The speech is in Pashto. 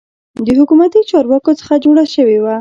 د حکومتي چارواکو څخه جوړه شوې وه.